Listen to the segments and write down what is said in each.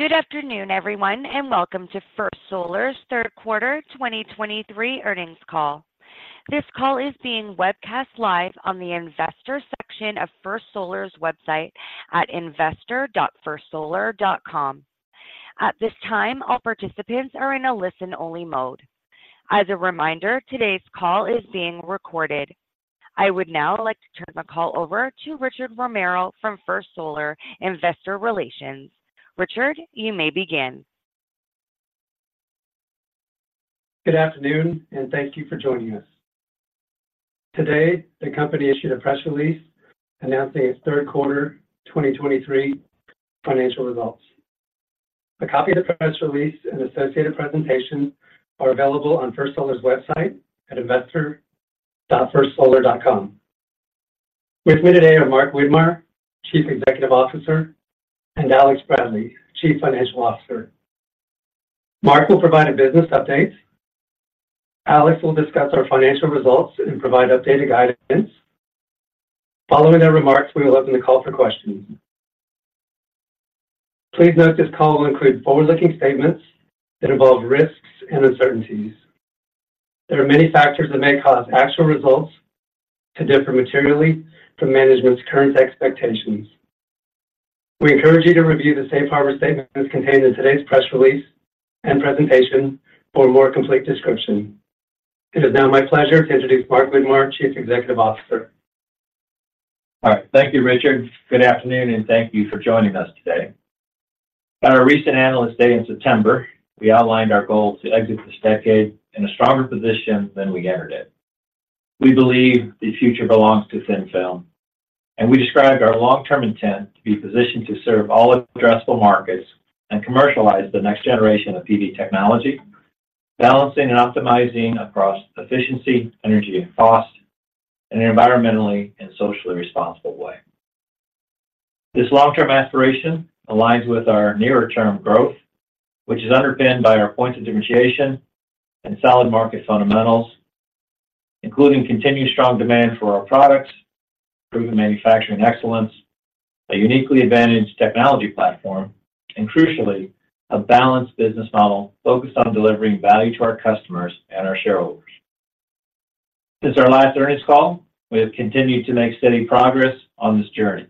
Good afternoon, everyone, and welcome to First Solar's Third Quarter 2023 Earnings Call. This call is being webcast live on the investor section of First Solar's website at investor.firstsolar.com. At this time, all participants are in a listen-only mode. As a reminder, today's call is being recorded. I would now like to turn the call over to Richard Romero from First Solar Investor Relations. Richard, you may begin. Good afternoon, and thank you for joining us. Today, the company issued a press release announcing its Third Quarter 2023 Financial Results. A copy of the press release and associated presentation are available on First Solar's website at investor.firstsolar.com. With me today are Mark Widmar, Chief Executive Officer, and Alex Bradley, Chief Financial Officer. Mark will provide a business update. Alex will discuss our financial results and provide updated guidance. Following their remarks, we will open the call for questions. Please note, this call will include forward-looking statements that involve risks and uncertainties. There are many factors that may cause actual results to differ materially from management's current expectations. We encourage you to review the safe harbor statements contained in today's press release and presentation for a more complete description. It is now my pleasure to introduce Mark Widmar, Chief Executive Officer. All right. Thank you, Richard. Good afternoon, and thank you for joining us today. At our recent Analyst Day in September, we outlined our goal to exit this decade in a stronger position than we entered it. We believe the future belongs to thin-film, and we described our long-term intent to be positioned to serve all addressable markets and commercialize the next generation of PV technology, balancing and optimizing across efficiency, energy, and cost in an environmentally and socially responsible way. This long-term aspiration aligns with our nearer-term growth, which is underpinned by our points of differentiation and solid market fundamentals, including continued strong demand for our products, proven manufacturing excellence, a uniquely advantaged technology platform, and crucially, a balanced business model focused on delivering value to our customers and our shareholders. Since our last earnings call, we have continued to make steady progress on this journey,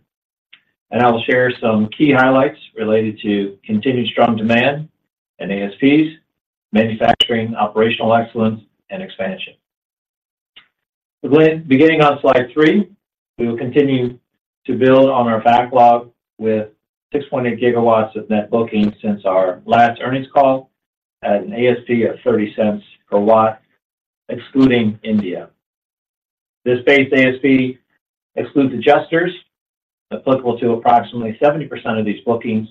and I will share some key highlights related to continued strong demand and ASPs, manufacturing, operational excellence, and expansion. Beginning on Slide 3, we will continue to build on our backlog with 6.8 GW of net bookings since our last earnings call at an ASP of $0.30 per watt, excluding India. This base ASP excludes adjusters applicable to approximately 70% of these bookings,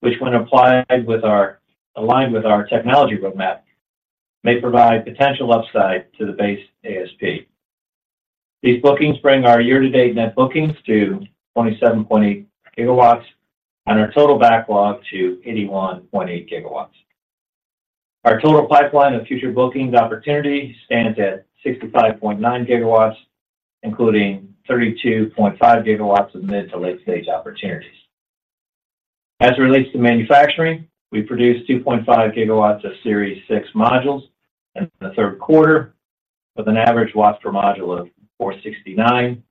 which when applied with our aligned with our technology roadmap, may provide potential upside to the base ASP. These bookings bring our year-to-date net bookings to 27.8 GW and our total backlog to 81.8 GW. Our total pipeline of future bookings opportunities stands at 65.9 GW, including 32.5 GW of mid- to late-stage opportunities. As it relates to manufacturing, we produced 2.5 gigawatts of Series 6 modules in the third quarter, with an average watts per module of 469,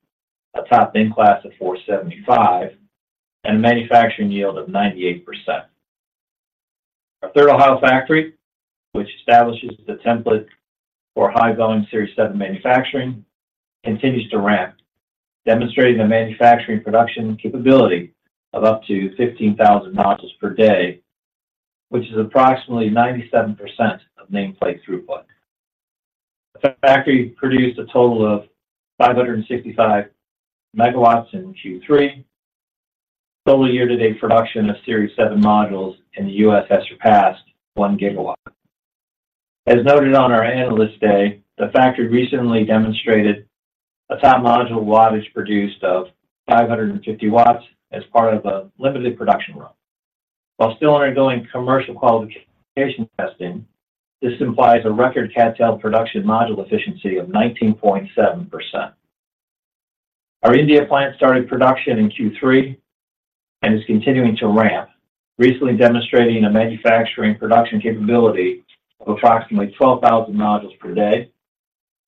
a top bin class of 475, and a manufacturing yield of 98%. Our third Ohio factory, which establishes the template for high-volume Series 7 manufacturing, continues to ramp, demonstrating a manufacturing production capability of up to 15,000 modules per day, which is approximately 97% of nameplate throughput. The factory produced a total of 565 megawatts in Q3. Total year-to-date production of Series 7 modules in the U.S. has surpassed 1 gigawatt. As noted on our Analyst Day, the factory recently demonstrated a top module wattage produced of 550 watts as part of a limited production run. While still undergoing commercial qualification testing, this implies a record CdTe production module efficiency of 19.7%. Our India plant started production in Q3 and is continuing to ramp, recently demonstrating a manufacturing production capability of approximately 12,000 modules per day,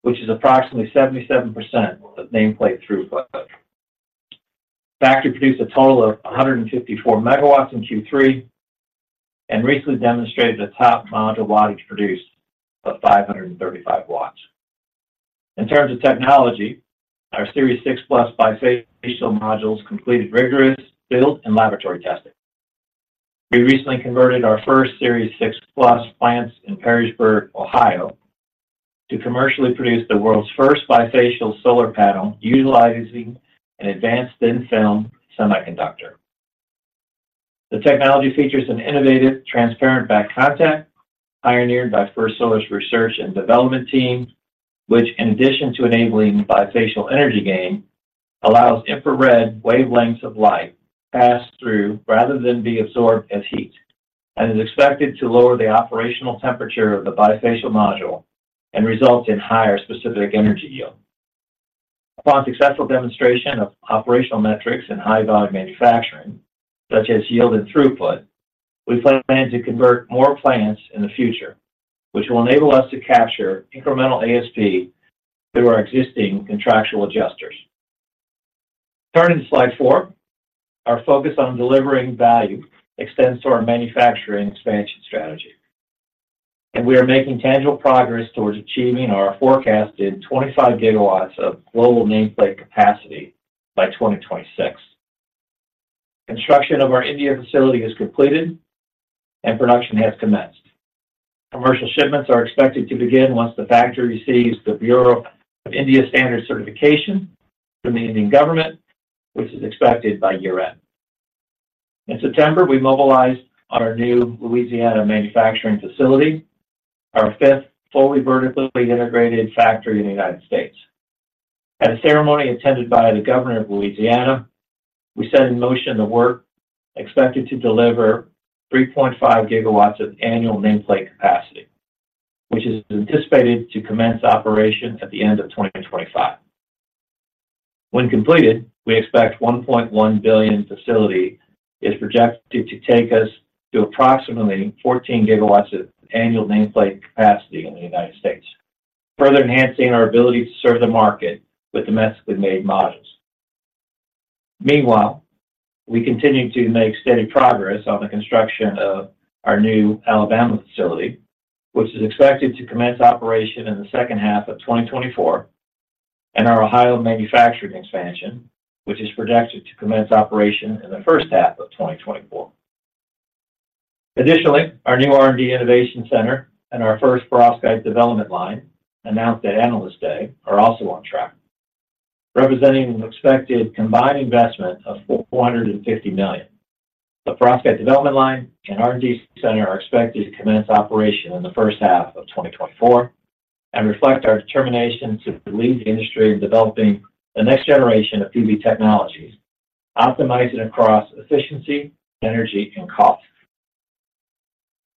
which is approximately 77% of nameplate throughput. The factory produced a total of 154 megawatts in Q3 and recently demonstrated a top module wattage produced of 535 watts. In terms of technology, our Series 6 Plus bifacial modules completed rigorous build and laboratory testing. We recently converted our first Series 6 Plus plants in Perrysburg, Ohio, to commercially produce the world's first bifacial solar panel, utilizing an advanced thin-film semiconductor. The technology features an innovative, transparent back contact, pioneered by First Solar's research and development team, which, in addition to enabling bifacial energy gain, allows infrared wavelengths of light to pass through rather than be absorbed as heat, and is expected to lower the operational temperature of the bifacial module and result in higher specific energy yield. Upon successful demonstration of operational metrics and high-value manufacturing, such as yield and throughput, we plan to convert more plants in the future, which will enable us to capture incremental ASP through our existing contractual adjusters. Turning to Slide 4, our focus on delivering value extends to our manufacturing expansion strategy, and we are making tangible progress towards achieving our forecasted 25 gigawatts of global nameplate capacity by 2026. Construction of our India facility is completed and production has commenced. Commercial shipments are expected to begin once the factory receives the Bureau of Indian Standards Certification from the Indian government, which is expected by year-end. In September, we mobilized our new Louisiana manufacturing facility, our fifth fully vertically integrated factory in the United States. At a ceremony attended by the Governor of Louisiana, we set in motion the work expected to deliver 3.5 GW of annual nameplate capacity, which is anticipated to commence operations at the end of 2025. When completed, we expect $1.1 billion facility is projected to take us to approximately 14 GW of annual nameplate capacity in the United States, further enhancing our ability to serve the market with domestically made modules. Meanwhile, we continue to make steady progress on the construction of our new Alabama facility, which is expected to commence operation in the second half of 2024, and our Ohio manufacturing expansion, which is projected to commence operation in the first half of 2024. Additionally, our new R&D Innovation Center and our first perovskite development line, announced at Analyst Day, are also on track, representing an expected combined investment of $450 million. The perovskite development line and R&D center are expected to commence operation in the first half of 2024 and reflect our determination to lead the industry in developing the next generation of PV technologies, optimizing across efficiency, energy, and cost.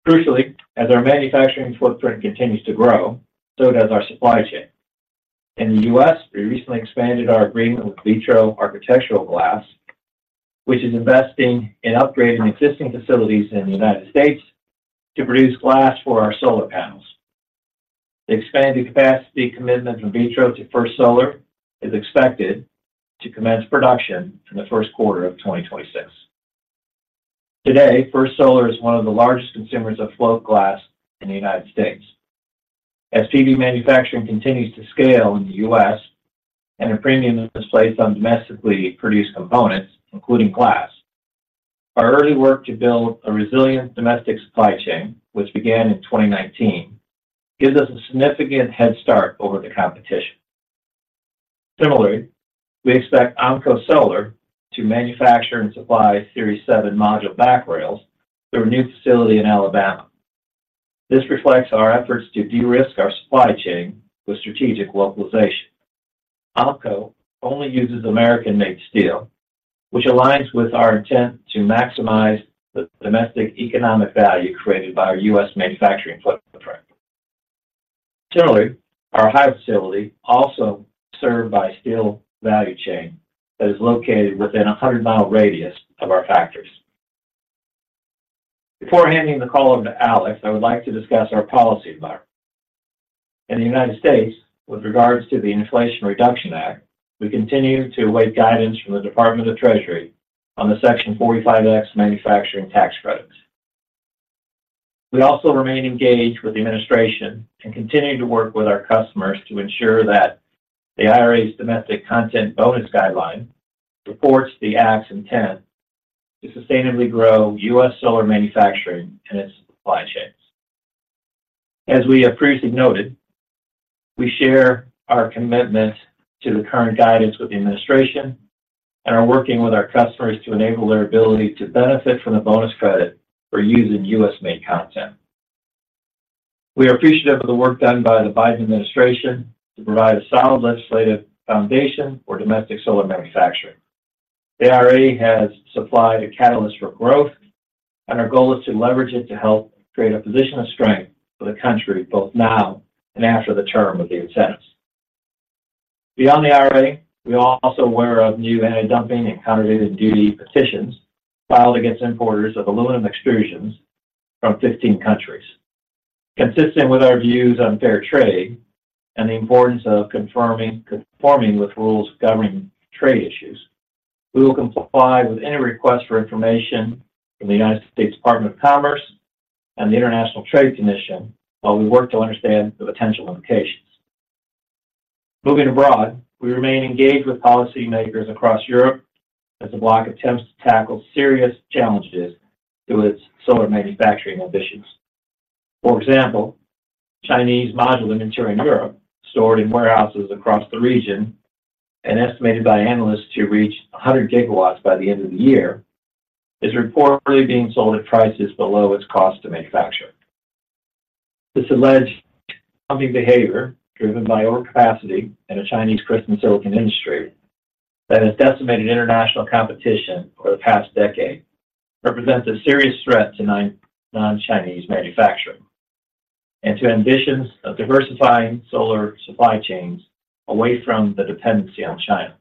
Crucially, as our manufacturing footprint continues to grow, so does our supply chain. In the U.S., we recently expanded our agreement with Vitro Architectural Glass, which is investing in upgrading existing facilities in the United States to produce glass for our solar panels. The expanded capacity commitment from Vitro to First Solar is expected to commence production in the first quarter of 2026. Today, First Solar is one of the largest consumers of float glass in the United States. As PV manufacturing continues to scale in the U.S. and a premium is placed on domestically produced components, including glass, our early work to build a resilient domestic supply chain, which began in 2019, gives us a significant head start over the competition. Similarly, we expect OMCO Solar to manufacture and supply Series 7 module back rails through a new facility in Alabama. This reflects our efforts to de-risk our supply chain with strategic localization. OMCO only uses American-made steel, which aligns with our intent to maximize the domestic economic value created by our U.S. manufacturing footprint. Similarly, our Ohio facility also served by steel value chain that is located within a 100-mile radius of our factories. Before handing the call over to Alex, I would like to discuss our policy environment. In the United States, with regards to the Inflation Reduction Act, we continue to await guidance from the Department of Treasury on the Section 45X manufacturing tax credits. We also remain engaged with the administration and continuing to work with our customers to ensure that the IRA's domestic content bonus guideline reports the Act's intent to sustainably grow U.S. solar manufacturing and its supply chains. As we have previously noted, we share our commitment to the current guidance with the administration and are working with our customers to enable their ability to benefit from the bonus credit for using U.S.-made content. We are appreciative of the work done by the Biden administration to provide a solid legislative foundation for domestic solar manufacturing. The IRA has supplied a catalyst for growth, and our goal is to leverage it to help create a position of strength for the country, both now and after the term of the incentives. Beyond the IRA, we are also aware of new antidumping and countervailing duty petitions filed against importers of aluminum extrusions from 15 countries. Consistent with our views on fair trade and the importance of conforming with rules governing trade issues, we will comply with any request for information from the United States Department of Commerce and the International Trade Commission while we work to understand the potential implications. Moving abroad, we remain engaged with policymakers across Europe as the bloc attempts to tackle serious challenges to its solar manufacturing ambitions. For example, Chinese module inventory in Europe, stored in warehouses across the region and estimated by analysts to reach 100 gigawatts by the end of the year, is reportedly being sold at prices below its cost to manufacture. This alleged dumping behavior, driven by overcapacity in a Chinese crystalline silicon industry that has decimated international competition over the past decade, represents a serious threat to non-Chinese manufacturing and to ambitions of diversifying solar supply chains away from the dependency on China.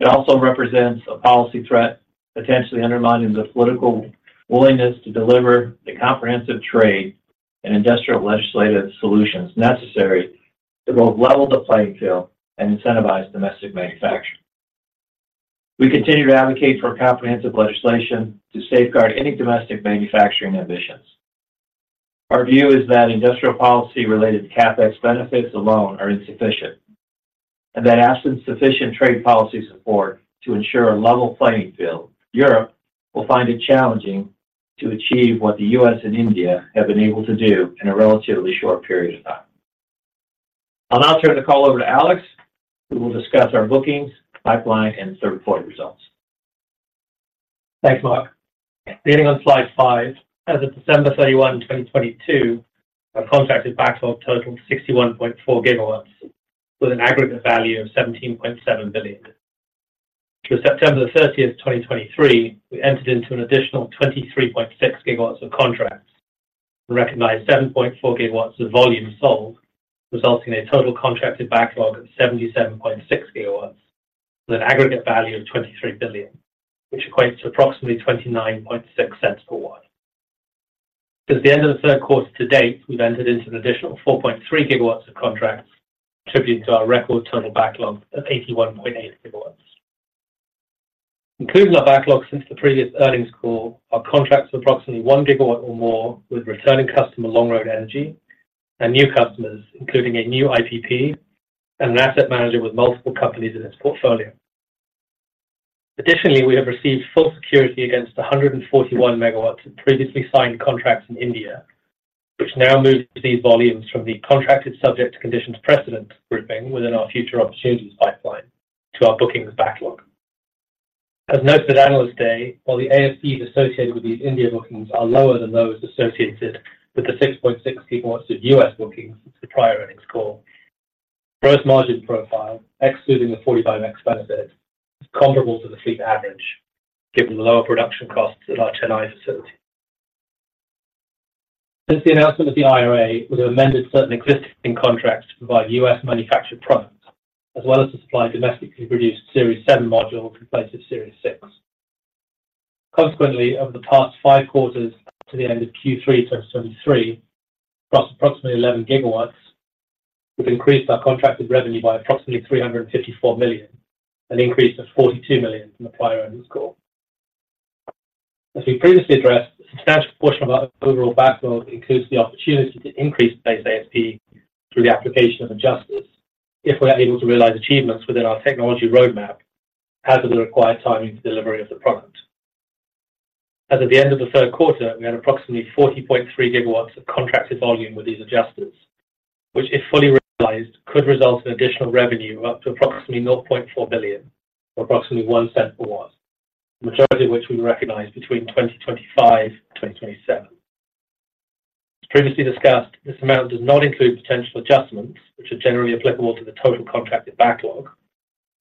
It also represents a policy threat, potentially undermining the political willingness to deliver the comprehensive trade and industrial legislative solutions necessary to both level the playing field and incentivize domestic manufacturing. We continue to advocate for comprehensive legislation to safeguard any domestic manufacturing ambitions. Our view is that industrial policy-related CapEx benefits alone are insufficient, and that absent sufficient trade policy support to ensure a level playing field, Europe will find it challenging to achieve what the U.S. and India have been able to do in a relatively short period of time. I'll now turn the call over to Alex, who will discuss our bookings, pipeline, and third quarter results. Thanks, Mark. Beginning on Slide 5, as of December 31, 2022, our contracted backlog totaled 61.4 GW, with an aggregate value of $17.7 billion. Through September 30, 2023, we entered into an additional 23.6 GW of contracts and recognized 7.4 GW of volume sold, resulting in a total contracted backlog of 77.6 GW, with an aggregate value of $23 billion, which equates to approximately $0.296 per watt. Since the end of the third quarter to date, we've entered into an additional 4.3 GW of contracts, contributing to our record total backlog of 81.8 GW. Including our backlog since the previous earnings call, our contracts are approximately 1 GW or more, with returning customer, Longroad Energy, and new customers, including a new IPP and an asset manager with multiple companies in its portfolio. Additionally, we have received full security against 141 MW of previously signed contracts in India, which now moves these volumes from the contracted subject to conditions precedent grouping within our future opportunities pipeline to our bookings backlog. As noted at Analyst Day, while the ASPs associated with these India bookings are lower than those associated with the 6.6 GW of U.S. bookings since the prior earnings call, gross margin profile, excluding the 45X benefit, is comparable to the fleet average, given the lower production costs at our Chennai facility. Since the announcement of the IRA, we have amended certain existing contracts to provide US-manufactured products, as well as to supply domestically-produced Series 7 module in place of Series 6. Consequently, over the past 5 quarters to the end of Q3 2023, across approximately 11 GW, we've increased our contracted revenue by approximately $354 million, an increase of $42 million from the prior earnings call. As we previously addressed, a substantial portion of our overall backlog includes the opportunity to increase base ASP through the application of adjusters if we're able to realize achievements within our technology roadmap as of the required timing for delivery of the product. As at the end of the third quarter, we had approximately 40.3 GW of contracted volume with these adjusters, which, if fully realized, could result in additional revenue of up to approximately $0.4 billion, or approximately $0.01 per watt, the majority of which we recognize between 2025 and 2027. As previously discussed, this amount does not include potential adjustments, which are generally applicable to the total contracted backlog,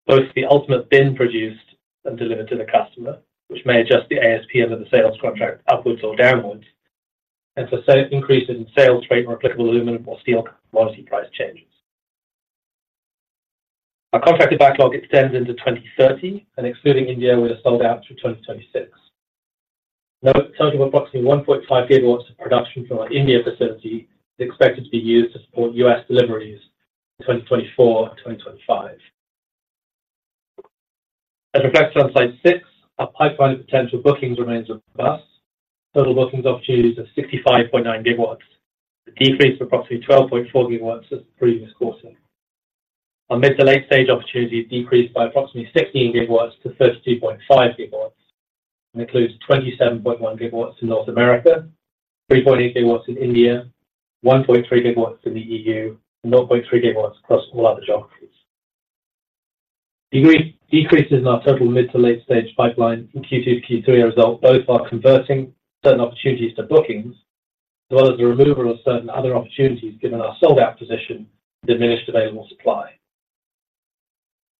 both the ultimate bin produced and delivered to the customer, which may adjust the ASP under the sales contract upwards or downwards, and for sale increase in sales freight or applicable aluminum or steel commodity price changes. Our contracted backlog extends into 2030, and excluding India, we are sold out through 2026. Now, a total of approximately 1.5 GW of production from our India facility is expected to be used to support U.S. deliveries in 2024 and 2025. As reflected on Slide 6, our pipeline of potential bookings remains robust. Total bookings opportunities of 65.9 GW, a decrease of approximately 12.4 GW since the previous quarter. Our mid to late stage opportunities decreased by approximately 16 GW to 32.5 GW, and includes 27.1 GW in North America, 3.8 GW in India, 1.3 GW in the EU, and 0.3 GW across all other geographies. The decreases in our total mid to late stage pipeline from Q2 to Q3 are a result, both are converting certain opportunities to bookings, as well as the removal of certain other opportunities, given our sold-out position, diminished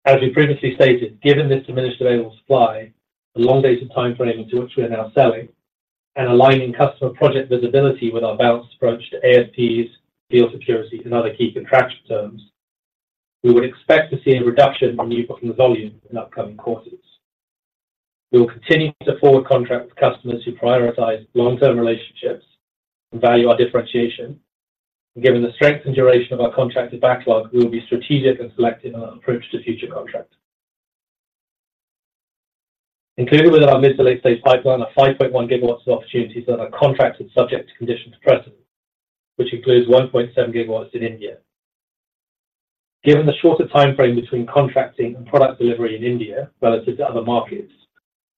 available supply. As we previously stated, given this diminished available supply, the long dates and timeframes to which we are now selling and aligning customer project visibility with our balanced approach to ASPs, deal security, and other key contractual terms, we would expect to see a reduction in new booking volume in upcoming quarters. We will continue to forward contract with customers who prioritize long-term relationships and value our differentiation. Given the strength and duration of our contracted backlog, we will be strategic and selective in our approach to future contracts. Included within our mid to late stage pipeline are 5.1 GW of opportunities that are contracted, subject to conditions precedent, which includes 1.7 GW in India. Given the shorter timeframe between contracting and product delivery in India relative to other markets,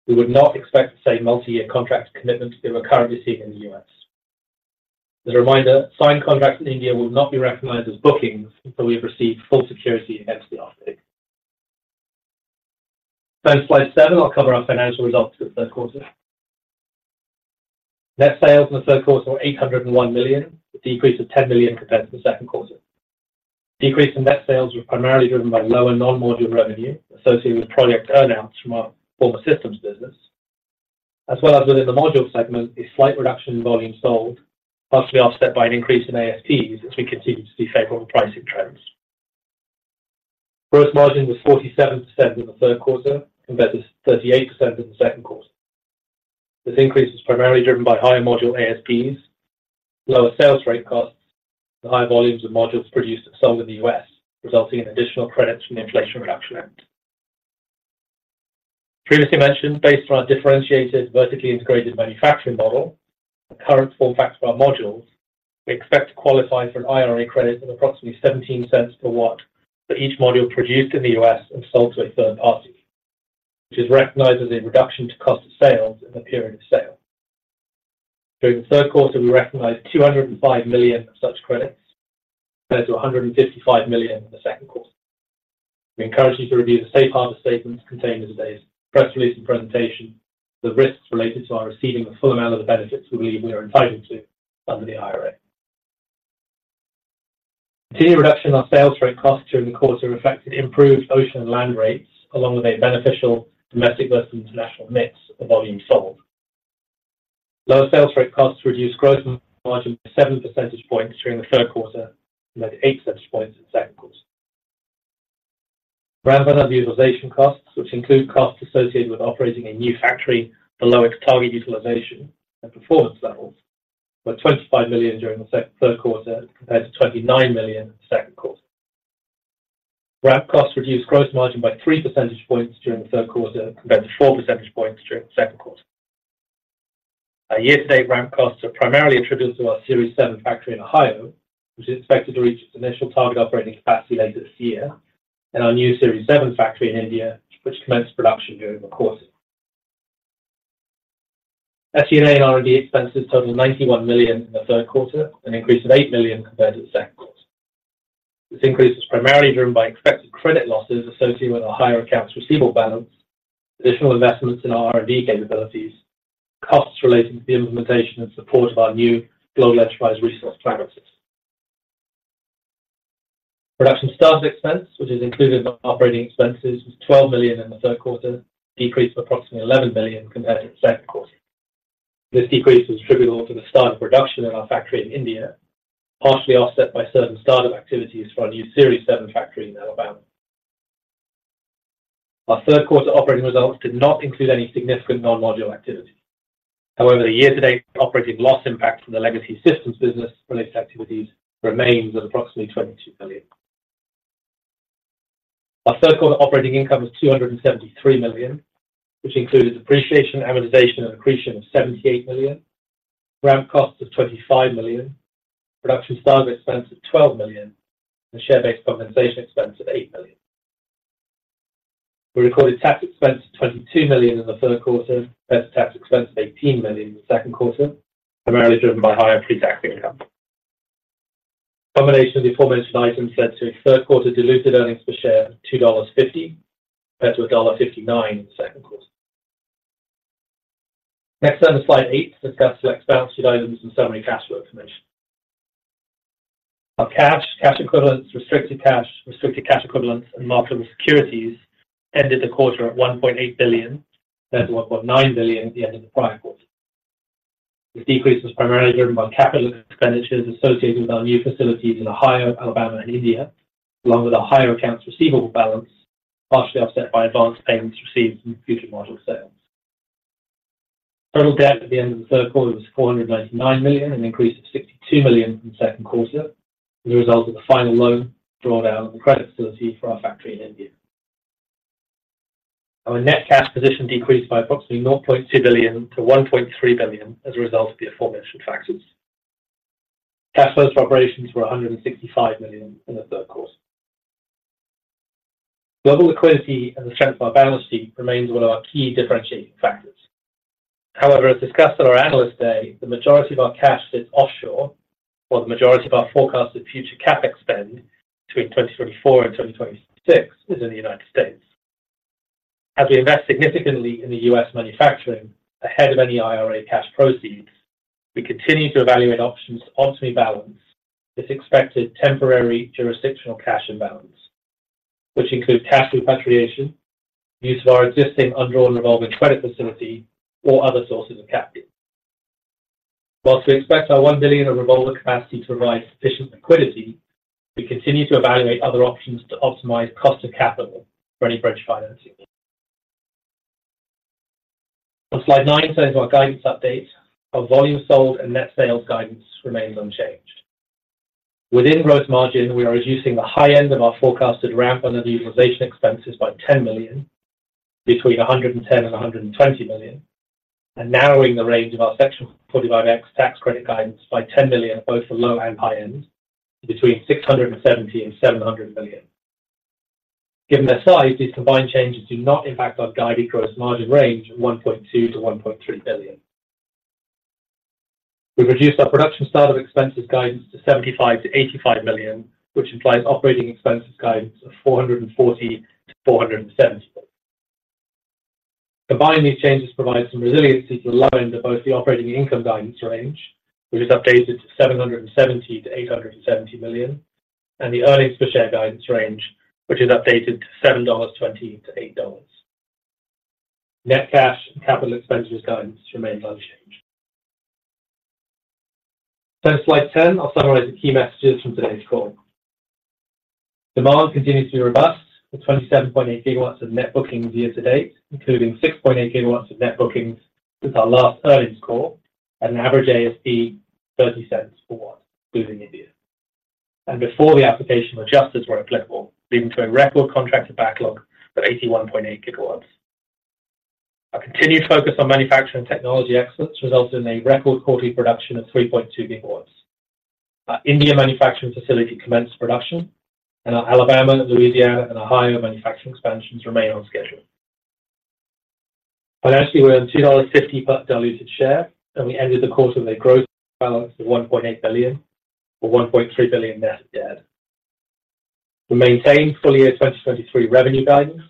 we would not expect the same multi-year contract commitments that we're currently seeing in the U.S. As a reminder, signed contracts in India will not be recognized as bookings until we have received full security against the ASP. On Slide 7, I'll cover our financial results for the third quarter. Net sales in the third quarter were $801 million, a decrease of $10 million compared to the second quarter. Decrease in net sales were primarily driven by lower non-module revenue associated with project earn-outs from our former systems business. As well as within the module segment, a slight reduction in volume sold, partially offset by an increase in ASPs as we continue to see favorable pricing trends. Gross margin was 47% in the third quarter, compared to 38% in the second quarter. This increase is primarily driven by higher module ASPs, lower sales freight costs, and higher volumes of modules produced and sold in the U.S., resulting in additional credits from the Inflation Reduction Act. Previously mentioned, based on our differentiated, vertically integrated manufacturing model, the current form factor of our modules, we expect to qualify for an IRA credit of approximately $0.17 per watt for each module produced in the U.S. and sold to a third party, which is recognized as a reduction to cost of sales in the period of sale. During the third quarter, we recognized $205 million of such credits, compared to $155 million in the second quarter. We encourage you to review the safe harbor statements contained in today's press release and presentation for the risks related to our receiving the full amount of the benefits we believe we are entitled to under the IRA. Continued reduction in our sales freight costs during the quarter reflected improved ocean and land rates, along with a beneficial domestic versus international mix of volume sold. Lower sales freight costs reduced gross margin by 7 percentage points during the third quarter, and by 8 percentage points in the second quarter. Ramp and underutilization costs, which include costs associated with operating a new factory below its target utilization and performance levels, were $25 million during the third quarter, compared to $29 million in the second quarter. Ramp costs reduced gross margin by 3 percentage points during the third quarter, compared to 4 percentage points during the second quarter. Our year-to-date ramp costs are primarily attributed to our Series 7 factory in Ohio, which is expected to reach its initial target operating capacity later this year, and our new Series 7 factory in India, which commenced production during the quarter. SG&A and R&D expenses totaled $91 million in the third quarter, an increase of $8 million compared to the second quarter. This increase was primarily driven by expected credit losses associated with our higher accounts receivable balance, additional investments in our R&D capabilities, costs relating to the implementation and support of our new global enterprise resource planning system. Production start-up expense, which is included in our operating expenses, was $12 million in the third quarter, a decrease of approximately $11 million compared to the second quarter. This decrease was attributable to the start of production at our factory in India, partially offset by certain start-up activities for our new Series 7 factory in Alabama. Our third quarter operating results did not include any significant non-module activity. However, the year-to-date operating loss impact from the legacy systems business related activities remains at approximately $22 million. Our third quarter operating income was $273 million, which included depreciation, amortization, and accretion of $78 million, ramp costs of $25 million, production start-up expense of $12 million, and share-based compensation expense of $8 million. We recorded tax expense of $22 million in the third quarter, versus tax expense of $18 million in the second quarter, primarily driven by higher pre-tax income. A combination of the aforementioned items led to a third quarter diluted earnings per share of $2.50, compared to $1.59 in the second quarter. Next on to Slide 8, which discusses adjusted items and summary cash flow information. Our cash, cash equivalents, restricted cash, restricted cash equivalents, and marketable securities ended the quarter at $1.8 billion, compared to $1.9 billion at the end of the prior quarter. This decrease was primarily driven by capital expenditures associated with our new facilities in Ohio, Alabama, and India, along with a higher accounts receivable balance, partially offset by advanced payments received from future module sales. Total debt at the end of the third quarter was $499 million, an increase of $62 million from the second quarter, as a result of the final loan drawn down on the credit facility for our factory in India. Our net cash position decreased by approximately $0.2 billion to $1.3 billion as a result of the aforementioned factors. Cash flows from operations were $165 million in the third quarter. Global liquidity and the strength of our balance sheet remains one of our key differentiating factors. However, as discussed on our Analyst Day, the majority of our cash sits offshore, while the majority of our forecasted future CapEx spend between 2024 and 2026 is in the United States. As we invest significantly in the U.S. manufacturing ahead of any IRA cash proceeds, we continue to evaluate options to optimally balance this expected temporary jurisdictional cash imbalance, which include cash repatriation, use of our existing undrawn revolving credit facility, or other sources of capital. While we expect our $1 billion in revolving capacity to provide sufficient liquidity, we continue to evaluate other options to optimize cost of capital for any bridge financing. On Slide 9 shows our guidance update. Our volume sold and net sales guidance remains unchanged. Within gross margin, we are reducing the high end of our forecasted ramp and underutilization expenses by $10 million, between $110 million and $120 million, and narrowing the range of our Section 45X tax credit guidance by $10 million, both the low and high ends, to between $670 million and $700 million. Given their size, these combined changes do not impact our guided gross margin range of $1.2 billion-$1.3 billion. We've reduced our production start-up expenses guidance to $75 million-$85 million, which implies operating expenses guidance of $440 million-$470 million. Combining these changes provides some resiliency to the low end of both the operating income guidance range, which is updated to $770 million-$870 million and the earnings per share guidance range, which is updated to $7.20-$8.00. Net cash and capital expenditures guidance remains unchanged. Then, Slide 10, I'll summarize the key messages from today's call. Demand continues to be robust, with 27.8 gigawatts of net bookings year to date, including 6.8 gigawatts of net bookings since our last earnings call, at an average ASP $0.30 per watt, including India, and before the application of adjustments where applicable, leading to a record contracted backlog of 81.8 gigawatts. Our continued focus on manufacturing technology excellence resulted in a record quarterly production of 3.2 gigawatts. Our India manufacturing facility commenced production, and our Alabama, Louisiana, and Ohio manufacturing expansions remain on schedule. Financially, we earned $2.50 per diluted share, and we ended the quarter with a gross balance of $1.8 billion, or $1.3 billion net debt. We maintained full year 2023 revenue guidance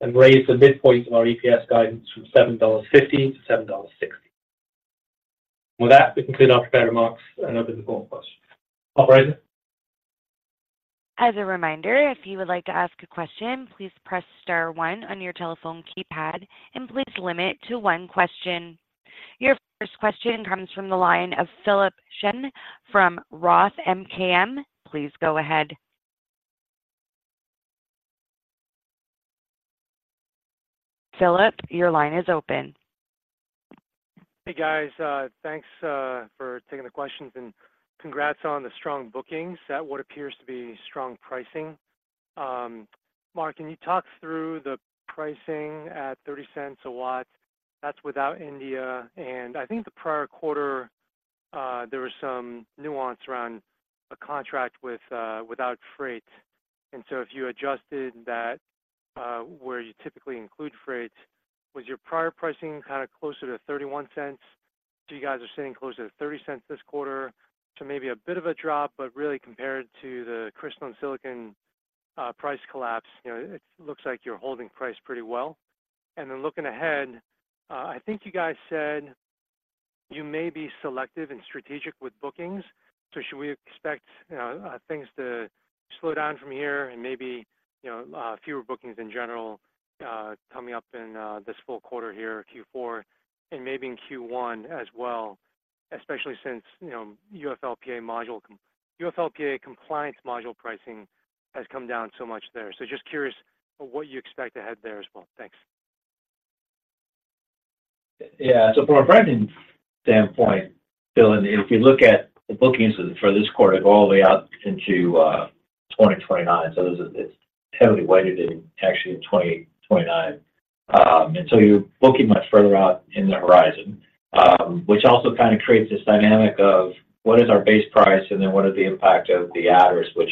and raised the midpoint of our EPS guidance from $7.50 to $7.60. With that, we conclude our prepared remarks and open the call for questions. Operator? As a reminder, if you would like to ask a question, please press star one on your telephone keypad, and please limit to one question. Your first question comes from the line of Philip Shen from Roth MKM. Please go ahead. Philip, your line is open. Hey, guys. Thanks for taking the questions, and congrats on the strong bookings at what appears to be strong pricing. Mark, can you talk through the pricing at $0.30 a watt? That's without India, and I think the prior quarter, there was some nuance around a contract with, without freight. And so if you adjusted that, where you typically include freight, was your prior pricing kind of closer to $0.31? So you guys are sitting closer to $0.30 this quarter, so maybe a bit of a drop, but really compared to the crystalline silicon price collapse, you know, it looks like you're holding price pretty well. And then looking ahead, I think you guys said you may be selective and strategic with bookings. So should we expect, you know, things to slow down from here and maybe, you know, fewer bookings in general coming up in this full quarter here, Q4, and maybe in Q1 as well, especially since, you know, UFLPA compliance module pricing has come down so much there. So just curious what you expect to have there as well. Thanks. Yeah. So from a pricing standpoint, Phil, if you look at the bookings for this quarter go all the way out into 2029, so it's heavily weighted actually in 2029. And so you're booking much further out in the horizon, which also kind of creates this dynamic of what is our base price, and then what is the impact of the adders, which,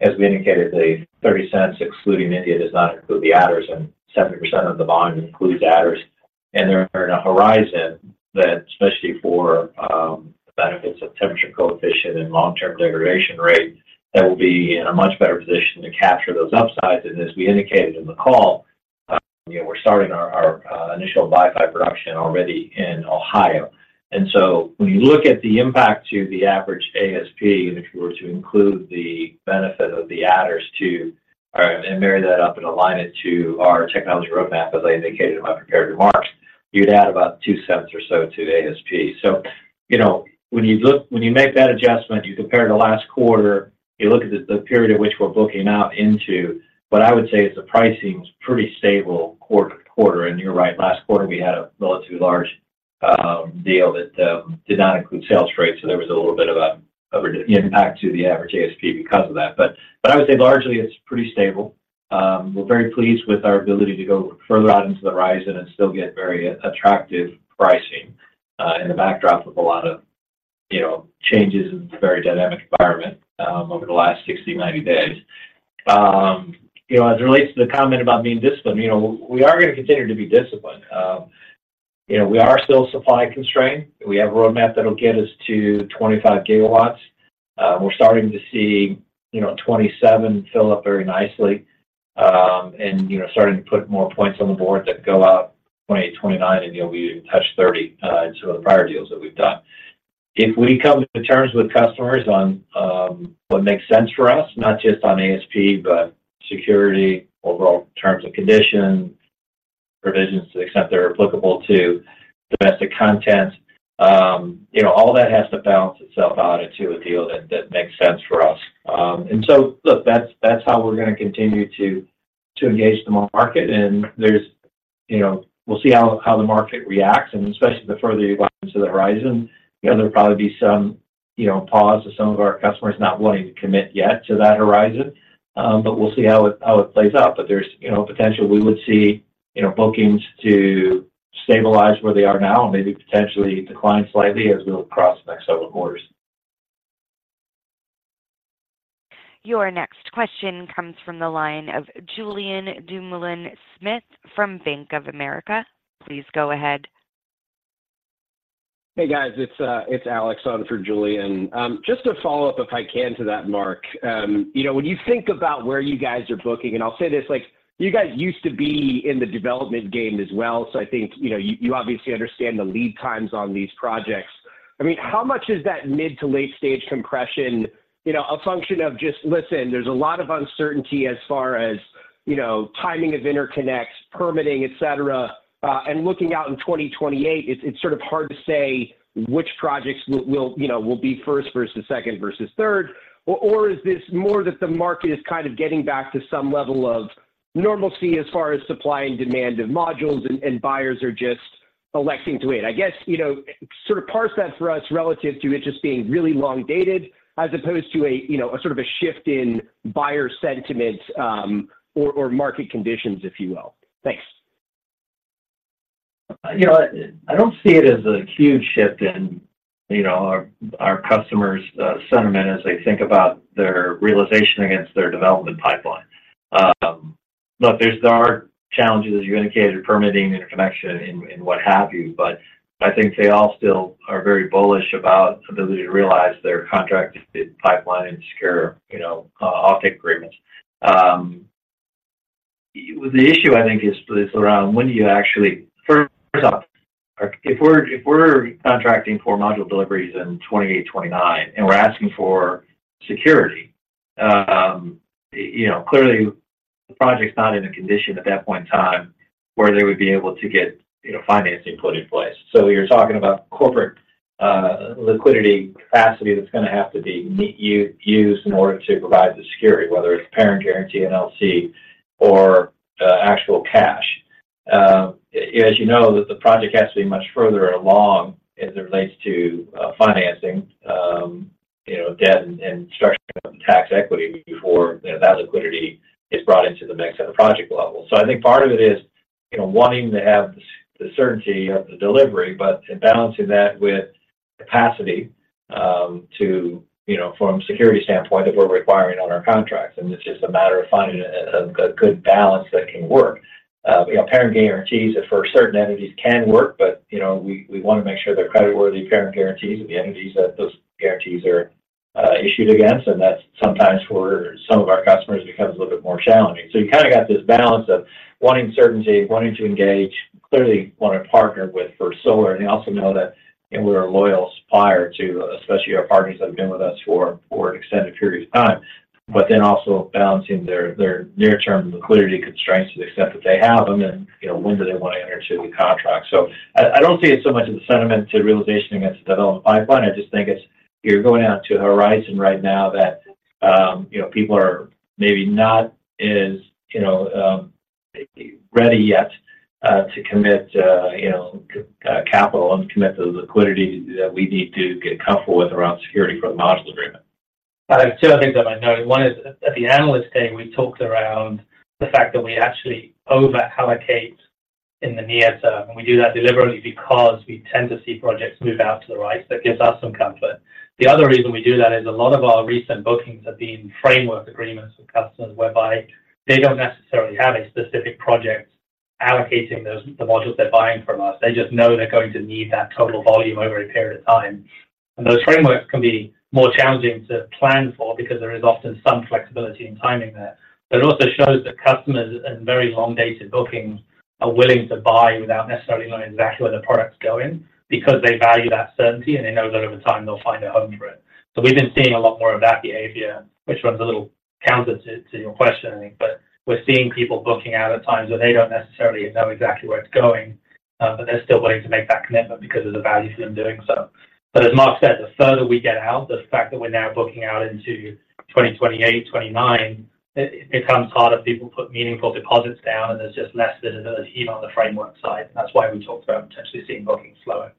as we indicated, the $0.30, excluding India, does not include the adders, and 70% of the volume includes adders. And they're in a horizon that, especially for benefits of temperature coefficient, and long-term degradation rate, that will be in a much better position to capture those upsides. And as we indicated in the call, you know, we're starting our initial Series 7 production already in Ohio. And so when you look at the impact to the average ASP, and if you were to include the benefit of the adders too, and marry that up and align it to our technology roadmap, as I indicated in my prepared remarks, you'd add about $0.02 or so to the ASP. So, you know, when you make that adjustment, you compare the last quarter, you look at the period in which we're booking out into. What I would say is the pricing is pretty stable quarter-over-quarter, and you're right, last quarter, we had a relatively large deal that did not include sales freight, so there was a little bit of an impact to the average ASP because of that. But I would say largely, it's pretty stable. We're very pleased with our ability to go further out into the horizon and still get very attractive pricing in the backdrop of a lot of, you know, changes in a very dynamic environment over the last 60-90 days. You know, as it relates to the comment about being disciplined, you know, we are going to continue to be disciplined. You know, we are still supply constrained. We have a roadmap that will get us to 25 GW. We're starting to see, you know, 27 fill up very nicely, and, you know, starting to put more points on the board that go out 2029, and, you know, we even touched 30 in some of the prior deals that we've done. If we come to terms with customers on, what makes sense for us, not just on ASP, but security, overall terms and conditions, provisions to the extent they're applicable to domestic content, you know, all of that has to balance itself out into a deal that, that makes sense for us. And so, look, that's, that's how we're going to continue to, to engage the market. And there's, you know, we'll see how, how the market reacts, and especially the further you go into the horizon, you know, there'll probably be some, you know, pause as some of our customers not wanting to commit yet to that horizon. But we'll see how it, how it plays out. But there's, you know, potential we would see, you know, bookings to stabilize where they are now and maybe potentially decline slightly as we look across the next several quarters. Your next question comes from the line of Julian Dumoulin-Smith from Bank of America. Please go ahead. Hey, guys, it's Alex on for Julian. Just to follow up, if I can, to that, Mark. You know, when you think about where you guys are booking, and I'll say this, like, you guys used to be in the development game as well, so I think, you know, you obviously understand the lead times on these projects. I mean, how much is that mid to late stage compression, you know, a function of just, listen, there's a lot of uncertainty as far as, you know, timing of interconnects, permitting, et cetera. And looking out in 2028, it's sort of hard to say which projects will, you know, will be first versus second versus third. Or, is this more that the market is kind of getting back to some level of normalcy as far as supply and demand of modules, and buyers are just electing to wait? I guess, you know, sort of parse that for us relative to it just being really long dated, as opposed to a, you know, a sort of a shift in buyer sentiment, or market conditions, if you will. Thanks. You know what? I don't see it as a huge shift in, you know, our customers' sentiment as they think about their realization against their development pipeline. Look, there are challenges, as you indicated, permitting, interconnection, and what have you. But I think they all still are very bullish about ability to realize their contracted pipeline and secure, you know, offtake agreements. The issue, I think, is around when do you actually. First off, if we're contracting for module deliveries in 2028, 2029, and we're asking for security, you know, clearly the project's not in a condition at that point in time where they would be able to get, you know, financing put in place. So you're talking about corporate liquidity capacity that's going to have to be used in order to provide the security, whether it's parent guarantee, LLC, or actual cash. As you know, the project has to be much further along as it relates to financing, you know, debt and structure of tax equity before, you know, that liquidity is brought into the mix at a project level. So I think part of it is, you know, wanting to have the certainty of the delivery, but balancing that with capacity to, you know, from a security standpoint, that we're requiring on our contracts. And it's just a matter of finding a good balance that can work. You know, parent guarantees for certain entities can work, but, you know, we, we want to make sure they're creditworthy parent guarantees of the entities that those guarantees are issued against. That's sometimes for some of our customers, becomes a little bit more challenging. You kind of got this balance of wanting certainty, wanting to engage, clearly want to partner with First Solar, and they also know that we're a loyal supplier to, especially our partners that have been with us for, for extended periods of time, but then also balancing their, their near-term liquidity constraints to the extent that they have them, and, you know, when do they want to enter into the contract. I don't see it so much as a sentiment to realization against the development pipeline. I just think it's, you're going out to a horizon right now that, you know, people are maybe not as, you know, ready yet to commit, you know, capital and commit to the liquidity that we need to get comfortable with around security for the module agreement. I have two other things I might note. One is at the Analyst Day, we talked around the fact that we actually over allocate in the near term, and we do that deliberately because we tend to see projects move out to the right. So it gives us some comfort. The other reason we do that is a lot of our recent bookings have been framework agreements with customers, whereby they don't necessarily have a specific project allocating those, the modules they're buying from us. They just know they're going to need that total volume over a period of time. And those frameworks can be more challenging to plan for because there is often some flexibility in timing there. But it also shows that customers in very long-dated bookings are willing to buy without necessarily knowing exactly where the product's going, because they value that certainty, and they know that over time they'll find a home for it. So we've been seeing a lot more of that behavior, which runs a little counter to your question, I think. But we're seeing people booking out at times where they don't necessarily know exactly where it's going, but they're still willing to make that commitment because of the value for them doing so. But as Mark said, the further we get out, the fact that we're now booking out into 2028, 2029, it becomes harder for people to put meaningful deposits down, and there's just less than another even on the framework side. That's why we talked about potentially seeing booking slower.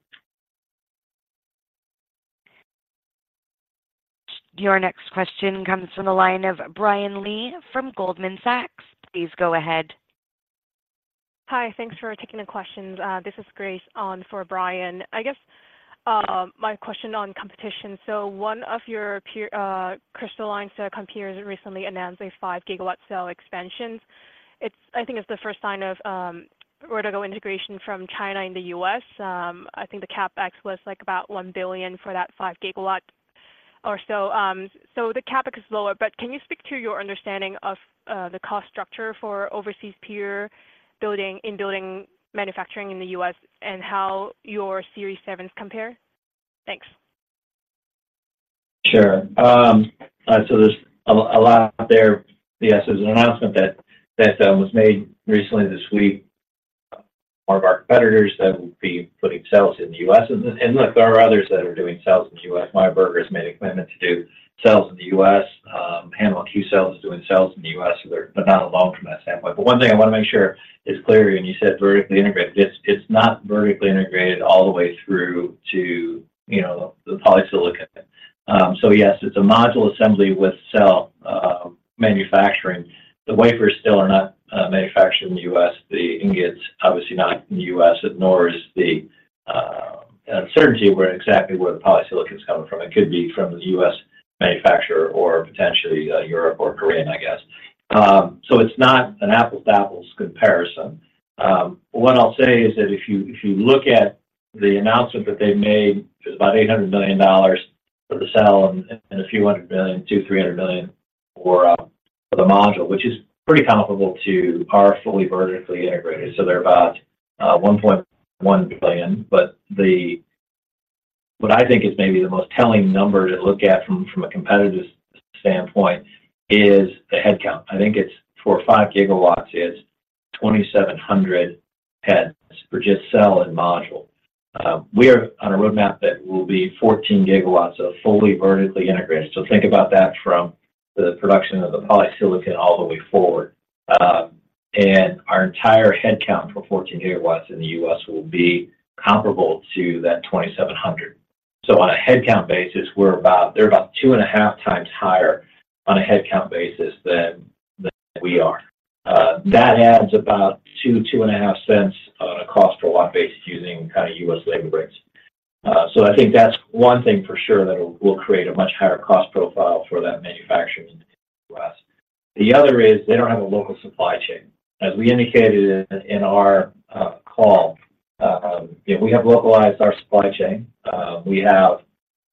Your next question comes from the line of Brian Lee from Goldman Sachs. Please go ahead. Hi, thanks for taking the questions. This is Grace on for Brian. I guess, my question on competition. So one of your peer, crystalline cell competitors recently announced a 5-gigawatt cell expansion. It's I think it's the first sign of vertical integration from China in the U.S. I think the CapEx was about $1 billion for that 5-gigawatt or so. So the CapEx is lower, but can you speak to your understanding of the cost structure for overseas peer building manufacturing in the U.S. and how your Series 7 compare? Thanks. Sure. So there's a lot there. Yes, there's an announcement that was made recently this week, one of our competitors that will be putting cells in the U.S. And look, there are others that are doing cells in the U.S. Meyer Burger has made a commitment to do cells in the U.S., Hanwha Qcells is doing cells in the U.S., so they're, but not alone from that standpoint. But one thing I want to make sure is clear, and you said vertically integrated. It's not vertically integrated all the way through to, you know, the polysilicon. So yes, it's a module assembly with cell manufacturing. The wafers still are not manufactured in the U.S., the ingots, obviously not in the U.S., nor is the uncertainty where exactly the polysilicon is coming from. It could be from the U.S. manufacturer or potentially Europe or Korean, I guess. So it's not an apples to apples comparison. What I'll say is that if you, if you look at the announcement that they made, it was about $800 million for the cell and a few hundred million, $200 million-$300 million for of the module, which is pretty comparable to our fully vertically integrated. So they're about $1.1 billion. But what I think is maybe the most telling number to look at from a competitive standpoint is the headcount. I think it's 4-5 GW is 2,700 heads for just cell and module. We are on a roadmap that will be 14 GW of fully vertically integrated. So think about that from the production of the polysilicon all the way forward. and our entire headcount for 14 GW in the U.S. will be comparable to that 2,700. So on a headcount basis, we're about—they're about 2.5x higher on a headcount basis than we are. That adds about $0.02-$0.025 on a cost per watt basis using kind of U.S. labor rates. So I think that's one thing for sure, that will create a much higher cost profile for that manufacturing in the U.S. The other is they don't have a local supply chain. As we indicated in our call, we have localized our supply chain. We have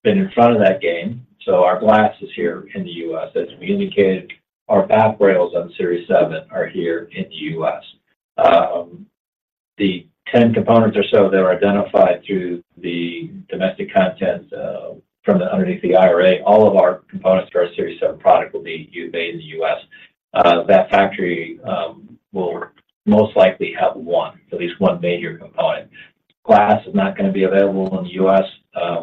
been in front of that game, so our glass is here in the U.S. As we indicated, our back rails on Series 7 are here in the U.S. The 10 components or so that are identified through the domestic content, from underneath the IRA, all of our components for our Series 7 product will be made in the U.S. That factory will most likely have one, at least one major component. Glass is not going to be available in the U.S.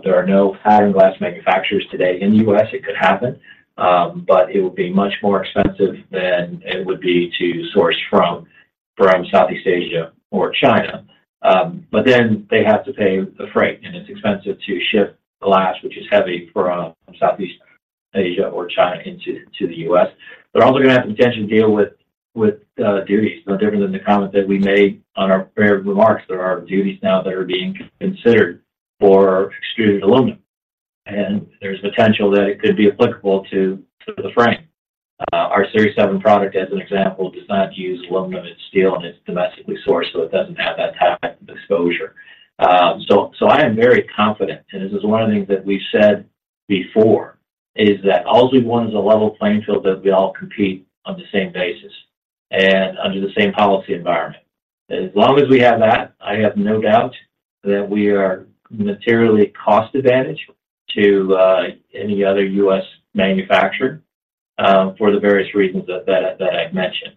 There are no pattern glass manufacturers today in the U.S. It could happen, but it would be much more expensive than it would be to source from Southeast Asia or China. But then they have to pay the freight, and it's expensive to ship glass, which is heavy, from Southeast Asia or China into the U.S. They're also going to have to potentially deal with duties. No different than the comment that we made on our prepared remarks. There are duties now that are being considered for extruded aluminum, and there's potential that it could be applicable to the frame. Our Series 7 product, as an example, does not use aluminum, it's steel, and it's domestically sourced, so it doesn't have that type of exposure. So I am very confident, and this is one of the things that we've said before, is that all we want is a level playing field, that we all compete on the same basis and under the same policy environment. As long as we have that, I have no doubt that we are materially cost advantage to any other U.S. manufacturer, for the various reasons that I've mentioned.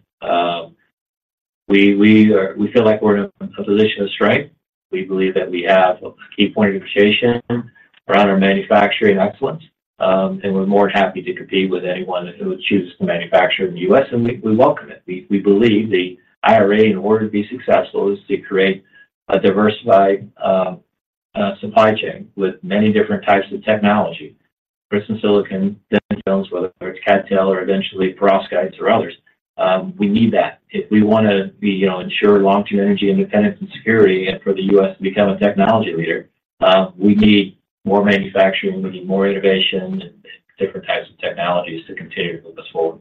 We feel like we're in a position of strength. We believe that we have a key point of differentiation around our manufacturing excellence, and we're more than happy to compete with anyone who chooses to manufacture in the U.S., and we welcome it. We believe the IRA, in order to be successful, is to create a diversified supply chain with many different types of technology. Crystalline silicon, thin-films, whether it's CdTe or eventually perovskites or others. We need that. If we want to, you know, ensure long-term energy independence and security, and for the U.S. to become a technology leader, we need more manufacturing, we need more innovation and different types of technologies to continue to move us forward.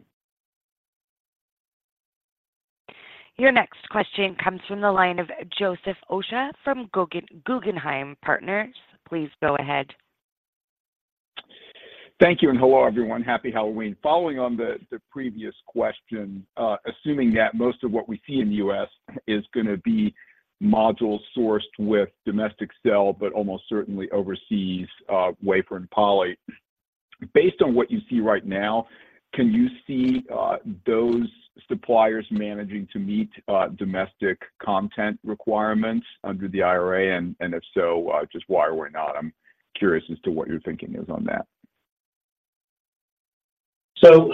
Your next question comes from the line of Joseph Osha from Guggenheim Partners. Please go ahead. Thank you, and hello, everyone. Happy Halloween. Following on the previous question, assuming that most of what we see in the U.S. is going to be modules sourced with domestic cell, but almost certainly overseas, wafer and poly. Based on what you see right now, can you see, those suppliers managing to meet, domestic content requirements under the IRA? And if so, just why or why not? I'm curious as to what your thinking is on that. So,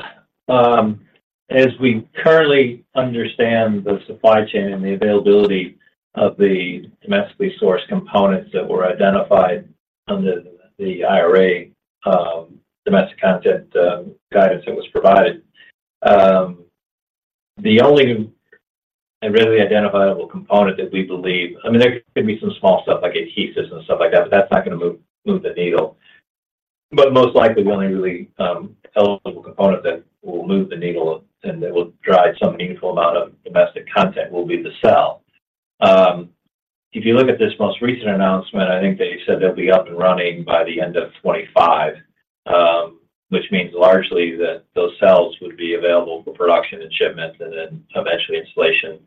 as we currently understand the supply chain and the availability of the domestically sourced components that were identified under the IRA, domestic content guidance that was provided, the only and really identifiable component that we believe—I mean, there could be some small stuff like adhesives and stuff like that, but that's not going to move the needle. But most likely, the only really eligible component that will move the needle and that will drive some meaningful amount of domestic content will be the cell. If you look at this most recent announcement, I think they said they'll be up and running by the end of 2025, which means largely that those cells would be available for production and shipment, and then eventually installation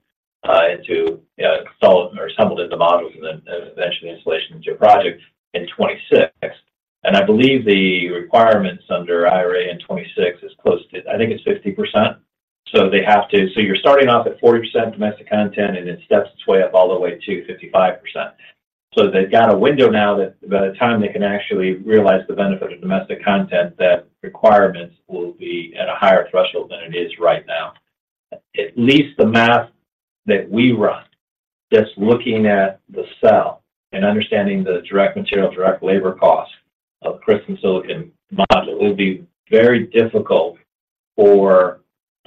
into installed or assembled into modules, and then eventually installation into your project in 2026. I believe the requirements under IRA in 2026 is close to—I think it's 50%, so they have to—so you're starting off at 40% domestic content, and it steps its way up all the way to 55%. So they've got a window now that by the time they can actually realize the benefit of domestic content, that requirements will be at a higher threshold than it is right now. At least the math that we run, just looking at the cell and understanding the direct material, direct labor cost of crystalline silicon module, it would be very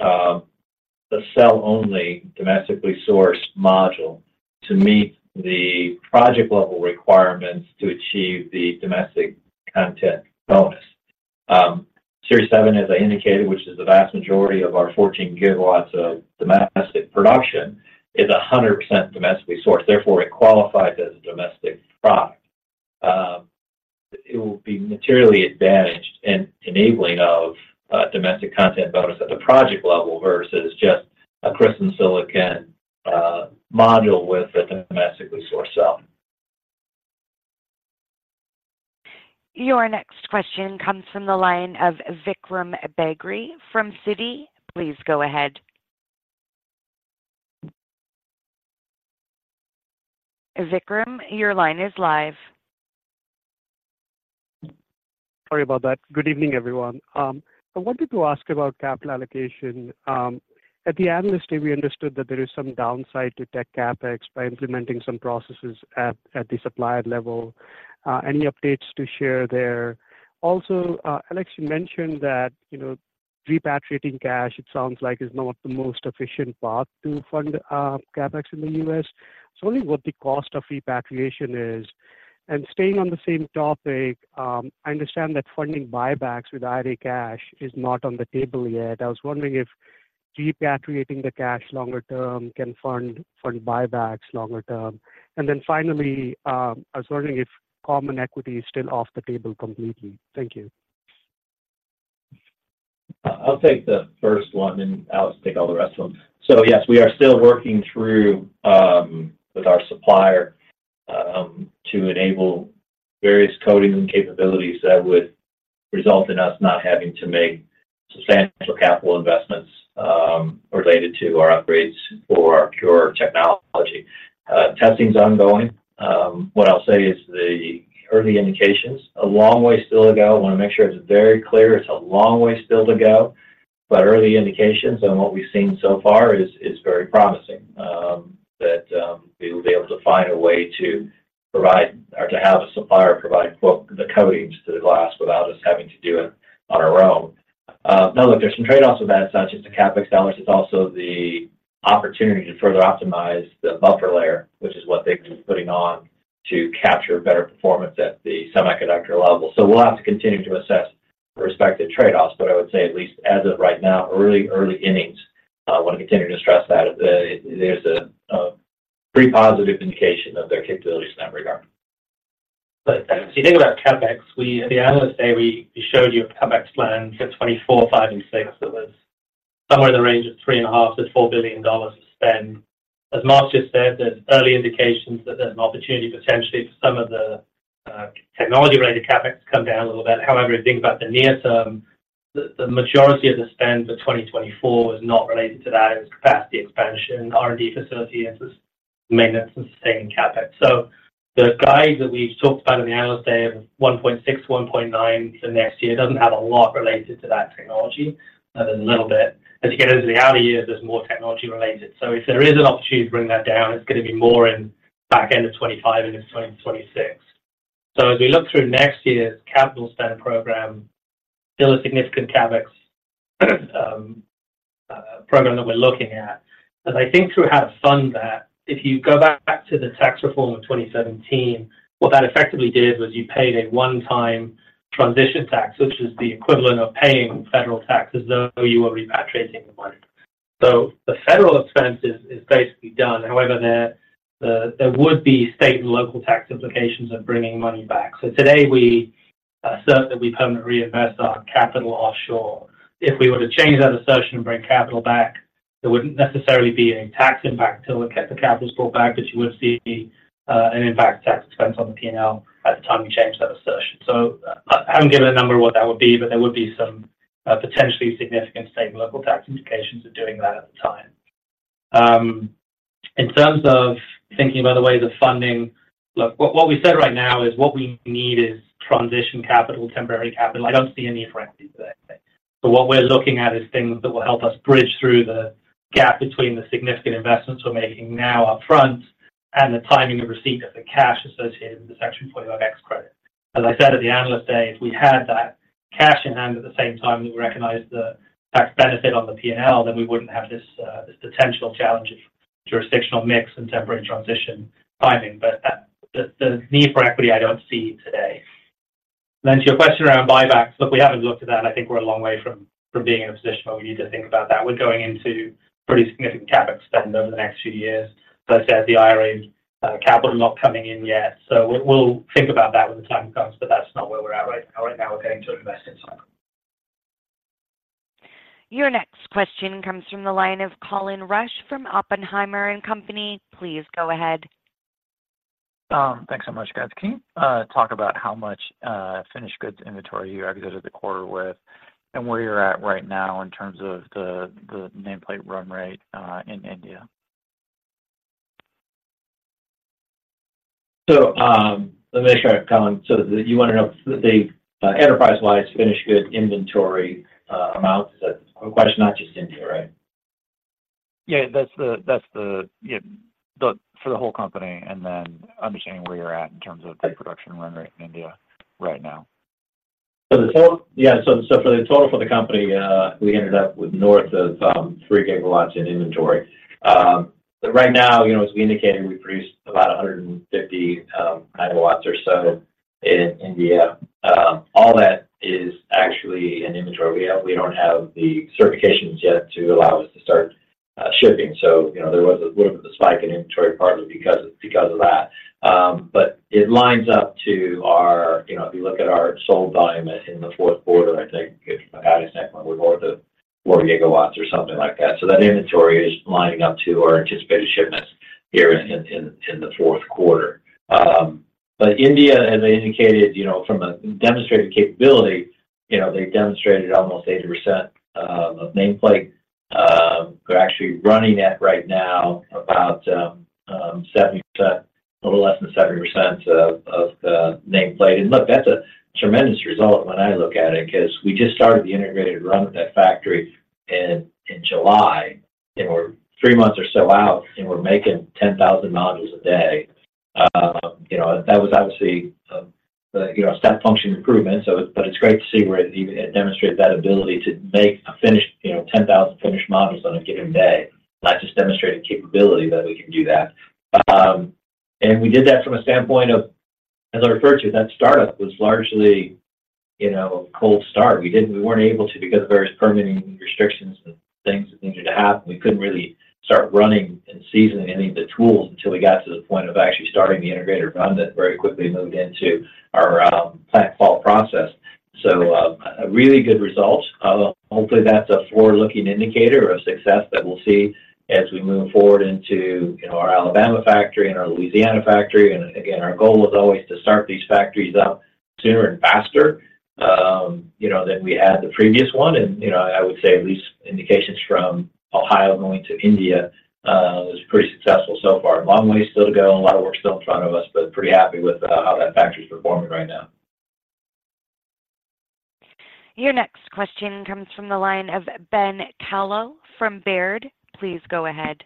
difficult for the cell-only domestically sourced module to meet the project level requirements to achieve the domestic content bonus. Series 7, as I indicated, which is the vast majority of our 14 gigawatts of domestic production, is 100% domestically sourced, therefore it qualifies as a domestic product. It will be materially advantaged in enabling of, domestic content bonus at the project level versus just a crystalline silicon, module with a domestically sourced cell. Your next question comes from the line of Vikram Bagri from Citi. Please go ahead. Vikram, your line is live. Sorry about that. Good evening, everyone. I wanted to ask about capital allocation. At the Analyst Day, we understood that there is some downside to tech CapEx by implementing some processes at the supplier level. Any updates to share there? Also, Alex, you mentioned that, you know, repatriating cash, it sounds like, is not the most efficient path to fund CapEx in the U.S. So I was wondering what the cost of repatriation is. And staying on the same topic, I understand that funding buybacks with IRA cash is not on the table yet. I was wondering if repatriating the cash longer term can fund buybacks longer term. And then finally, I was wondering if common equity is still off the table completely. Thank you. I'll take the first one, and Alex will take all the rest of them. So yes, we are still working through with our supplier to enable various coating and capabilities that would result in us not having to make substantial capital investments related to our upgrades for our CuRe technology. Testing is ongoing. What I'll say is the early indications, a long way still to go. I want to make sure it's very clear, it's a long way still to go, but early indications on what we've seen so far is very promising that we will be able to find a way to provide or to have a supplier provide, quote, the coatings to the glass without us having to do it on our own. Now, look, there's some trade-offs with that. It's not just the CapEx dollars, it's also the opportunity to further optimize the buffer layer, which is what they've been putting on to capture better performance at the semiconductor level. So we'll have to continue to assess the respective trade-offs, but I would say, at least as of right now, early, early innings. I want to continue to stress that, there's a pretty positive indication of their capabilities in that regard. But if you think about CapEx, we at the Analyst Day showed you a CapEx plan for 2024, 2025, and 2026. That was somewhere in the range of $3.5 billion-$4 billion to spend. As Mark just said, there's early indications that there's an opportunity potentially for some of the technology-related CapEx to come down a little bit. However, if you think about the near term, the majority of the spend for 2024 is not related to that. It's capacity expansion, R&D facility, and just maintenance and sustain CapEx. So the guide that we talked about in the Analyst Day of $1.6-$1.9 billion for next year doesn't have a lot related to that technology other than a little bit. As you get into the outer years, there's more technology related. So if there is an opportunity to bring that down, it's going to be more in back end of 2025 into 2026. So as we look through next year's capital spend program, still a significant CapEx program that we're looking at. But I think to how to fund that, if you go back to the tax reform of 2017, what that effectively did was you paid a one-time transition tax, which is the equivalent of paying federal tax as though you were repatriating the money. So the federal expense is basically done. However, there would be state and local tax implications of bringing money back. So today, we assert that we permanently reinvest our capital offshore. If we were to change that assertion and bring capital back, there wouldn't necessarily be any tax impact till the capital is brought back, but you would see an impact tax expense on the P&L at the time you change that assertion. So I haven't given a number of what that would be, but there would be some potentially significant state and local tax implications of doing that at the time. In terms of thinking about other ways of funding, look, what, what we said right now is what we need is transition capital, temporary capital. I don't see any equity today. So what we're looking at is things that will help us bridge through the gap between the significant investments we're making now upfront and the timing of receipt of the cash associated with the Section 45X credit. As I said at the Analyst Day, if we had that cash in hand at the same time we recognized the tax benefit on the P&L, then we wouldn't have this potential challenge of jurisdictional mix and temporary transition timing. But that, the need for equity, I don't see today. Then to your question around buybacks, look, we haven't looked at that. I think we're a long way from being in a position where we need to think about that. We're going into pretty significant CapEx spend over the next few years. As I said, the IRA capital not coming in yet, so we'll think about that when the time comes, but that's not where we're at right now, we're going to invest in time. Your next question comes from the line of Colin Rusch from Oppenheimer and Company. Please go ahead. Thanks so much, guys. Can you talk about how much finished goods inventory you exited the quarter with and where you're at right now in terms of the nameplate run rate in India? So, let me make sure, Colin, so you want to know the enterprise-wide finished good inventory amounts? That's the question, not just India, right? Yeah, that's the for the whole company, and then understanding where you're at in terms of the production run rate in India right now. So the total for the company, we ended up with north of 3 gigawatts in inventory. But right now, you know, as we indicated, we produce about 150 megawatts or so in India. All that is actually in inventory we have. We don't have the certifications yet to allow us to start shipping. So, you know, there was a little bit of a spike in inventory, partly because of that. But it lines up to our—you know, if you look at our sold volume in the fourth quarter, I think, if I had it exactly, we're more than 4 gigawatts or something like that. So that inventory is lining up to our anticipated shipments here in the fourth quarter. But India, as I indicated, you know, from a demonstrated capability, you know, they demonstrated almost 80% of nameplate. They're actually running at right now about 70%, a little less than 70% of the nameplate. And look, that's a tremendous result when I look at it, because we just started the integrated run at that factory in July, and we're three months or so out, and we're making 10,000 modules a day. You know, that was obviously a step function improvement. But it's great to see where it demonstrated that ability to make a finished, you know, 10,000 finished modules on a given day. Not just demonstrated capability, but we can do that. And we did that from a standpoint of, as I referred to, that startup was largely, you know, a cold start. We weren't able to because of various permitting restrictions and things that needed to happen. We couldn't really start running and seasoning any of the tools until we got to the point of actually starting the integrated run that very quickly moved into our plant full process. So, a really good result. Hopefully, that's a forward-looking indicator of success that we'll see as we move forward into, you know, our Alabama factory and our Louisiana factory. And again, our goal was always to start these factories up sooner and faster, you know, than we had the previous one. And, you know, I would say at least indications from Ohio going to India was pretty successful so far. A long way still to go, a lot of work still in front of us, but pretty happy with how that factory is performing right now. Your next question comes from the line of Ben Kallo from Baird. Please go ahead.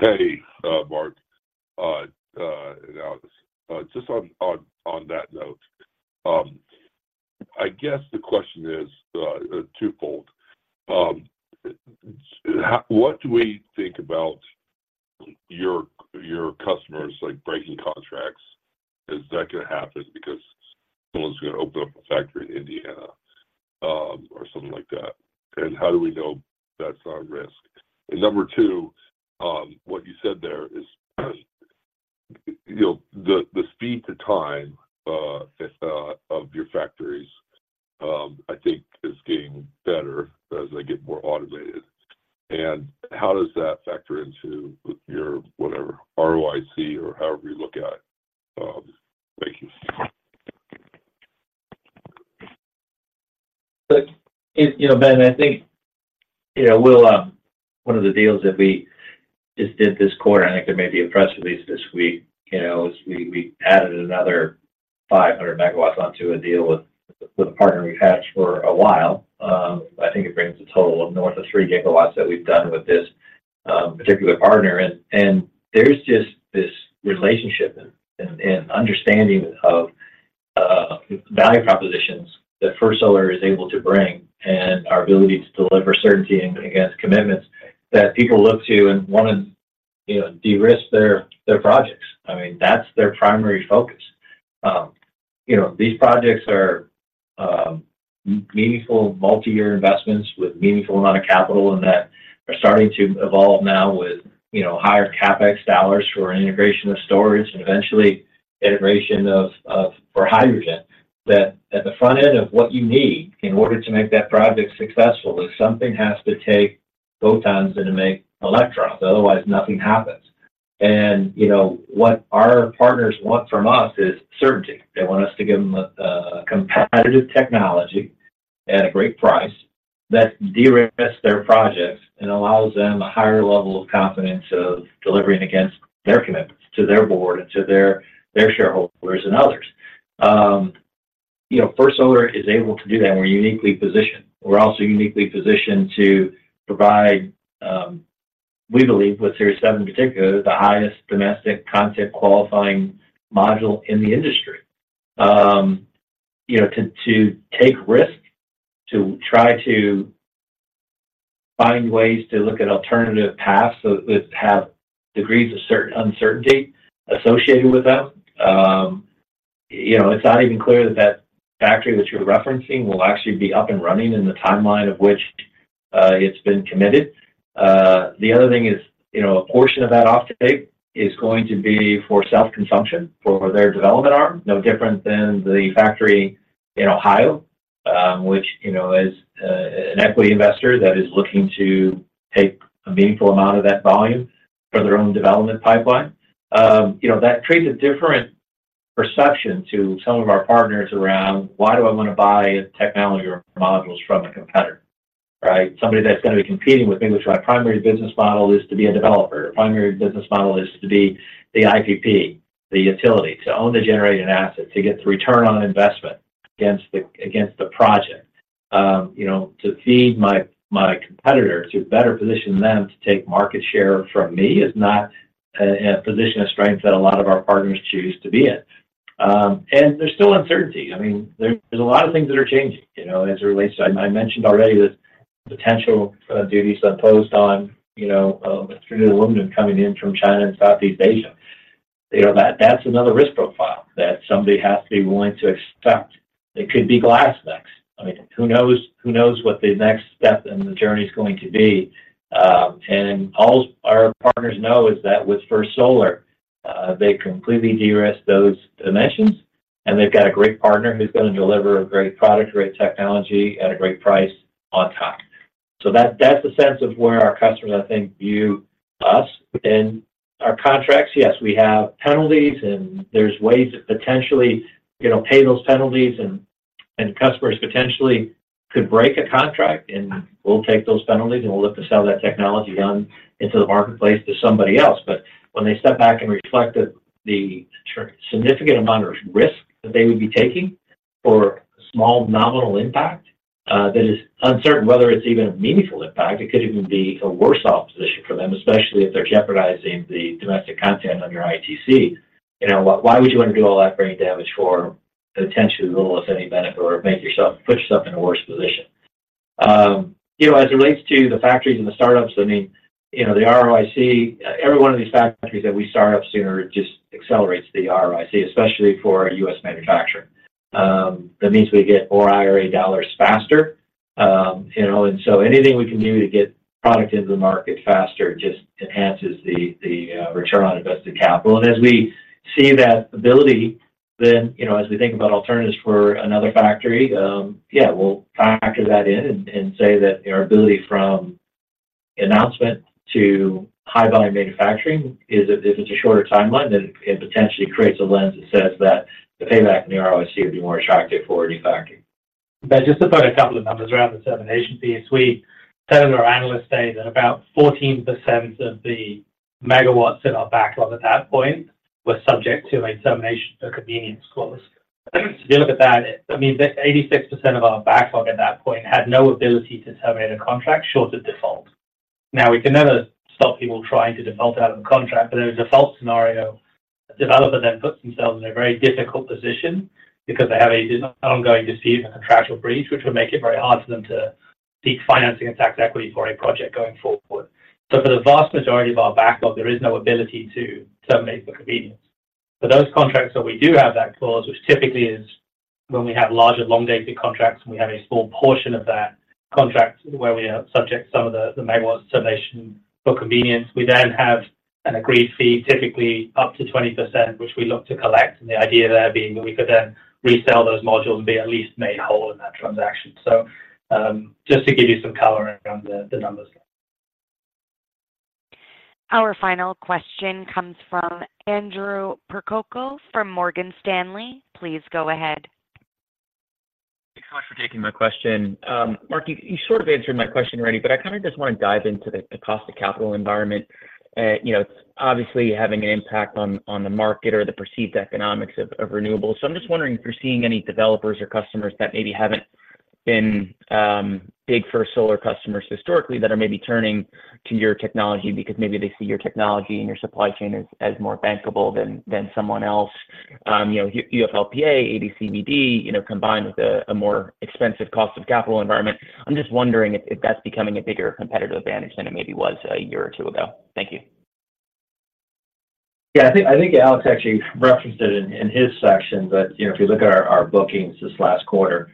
Hey, Mark, and Alex. Just on that note, I guess the question is twofold. What do we think about your customers, like, breaking contracts? Is that going to happen because someone's going to open up a factory in Indiana, or something like that? And how do we know that's not a risk? And number two, what you said there is, you know, the speed to time of your factories, I think is getting better as they get more automated. And how does that factor into your, whatever, ROIC or however you look at it? Thank you. Look, you know, Ben, I think, you know, we'll. One of the deals that we just did this quarter, I think there may be a press release this week, you know, is we added another 500 megawatts onto a deal with a partner we've had for a while. I think it brings the total of north of 3 gigawatts that we've done with this particular partner. And there's just this relationship and understanding of value propositions that First Solar is able to bring, and our ability to deliver certainty and against commitments that people look to and want to, you know, de-risk their projects. I mean, that's their primary focus. You know, these projects are meaningful multi-year investments with meaningful amount of capital, and that are starting to evolve now with, you know, higher CapEx dollars for integration of storage and eventually integration of hydrogen. That at the front end of what you need in order to make that project successful, is something has to take photons and to make electrons, otherwise nothing happens. You know, what our partners want from us is certainty. They want us to give them a competitive technology at a great price that de-risks their projects and allows them a higher level of confidence of delivering against their commitments to their board and to their shareholders and others. You know, First Solar is able to do that. We're uniquely positioned. We're also uniquely positioned to provide, we believe, with Series 7 in particular, the highest domestic content qualifying module in the industry. You know, to take risks, to try to find ways to look at alternative paths that have degrees of uncertainty associated with them, you know, it's not even clear that that factory that you're referencing will actually be up and running in the timeline of which it's been committed. The other thing is, you know, a portion of that offtake is going to be for self-consumption for their development arm, no different than the factory in Ohio, which, you know, is an equity investor that is looking to take a meaningful amount of that volume for their own development pipeline. You know, that creates a different perception to some of our partners around, "Why do I want to buy a technology or modules from a competitor?" Right? Somebody that's going to be competing with me, which my primary business model is to be a developer. Primary business model is to be the IPP, the utility, to own the generating asset, to get the return on investment against the project. You know, to feed my competitor, to better position them to take market share from me, is not a position of strength that a lot of our partners choose to be in. And there's still uncertainty. I mean, there's a lot of things that are changing, you know, as it relates to—I mentioned already the potential duties imposed on, you know, aluminum coming in from China and Southeast Asia. You know, that-that's another risk profile that somebody has to be willing to expect. It could be glass next. I mean, who knows, who knows what the next step in the journey is going to be? And all our partners know is that with First Solar, they completely de-risk those dimensions, and they've got a great partner who's going to deliver a great product, great technology at a great price on time. So that, that's the sense of where our customers, I think, view us in our contracts. Yes, we have penalties, and there's ways to potentially, you know, pay those penalties, and customers potentially could break a contract, and we'll take those penalties, and we'll look to sell that technology on into the marketplace to somebody else. But when they step back and reflect that the significant amount of risk that they would be taking for small nominal impact, that is uncertain, whether it's even a meaningful impact, it could even be a worse off position for them, especially if they're jeopardizing the domestic content under ITC. You know, why would you want to do all that brain damage for potentially little, if any, benefit, or make yourself, put yourself in a worse position? You know, as it relates to the factories and the startups, I mean, you know, the ROIC, every one of these factories that we start up sooner just accelerates the ROIC, especially for U.S. manufacturer. That means we get more IRA dollars faster, you know, and so anything we can do to get product into the market faster just enhances the return on invested capital. As we see that ability, then, you know, as we think about alternatives for another factory, yeah, we'll factor that in and, and say that our ability from announcement to high-volume manufacturing is if it's a shorter timeline, then it potentially creates a lens that says that the payback and the ROIC would be more attractive for a new factory. But just to put a couple of numbers around the termination fees, we said in our Analyst Day that about 14% of the megawatts in our backlog at that point were subject to a termination for convenience clause. If you look at that, I mean, 86% of our backlog at that point had no ability to terminate a contract short of default. Now, we can never stop people trying to default out of a contract, but in a default scenario, a developer then puts themselves in a very difficult position because they have a ongoing dispute and a contractual breach, which would make it very hard for them to seek financing and tax equity for a project going forward. So for the vast majority of our backlog, there is no ability to terminate for convenience. For those contracts that we do have that clause, which typically is when we have larger, long-dated contracts, and we have a small portion of that contract where we have subject some of the megawatts termination for convenience, we then have an agreed fee, typically up to 20%, which we look to collect, and the idea there being that we could then resell those modules and be at least made whole in that transaction. So, just to give you some color around the numbers. Our final question comes from Andrew Percoco from Morgan Stanley. Please go ahead. Thanks so much for taking my question. Mark, you, you sort of answered my question already, but I kind of just want to dive into the, the cost of capital environment. You know, it's obviously having an impact on, on the market or the perceived economics of, of renewables. So I'm just wondering if you're seeing any developers or customers that maybe haven't been, big for solar customers historically, that are maybe turning to your technology because maybe they see your technology and your supply chain as, as more bankable than, than someone else. You know, UFLPA, AD/CVD, you know, combined with a, a more expensive cost of capital environment. I'm just wondering if, if that's becoming a bigger competitive advantage than it maybe was a year or two ago. Thank you. Yeah, I think, I think Alex actually referenced it in, in his section, but, you know, if you look at our, our bookings this last quarter,